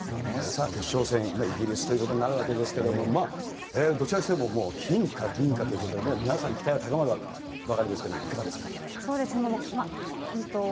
さあ、決勝戦、イギリスということになるわけですけれども、どちらにしても金か銀かということで、もう皆さん期待は高まるばかりですけど、いかがですか。